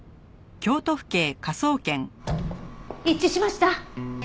一致しました！